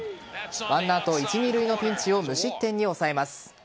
１アウト一・二塁のピンチを無失点に抑えます。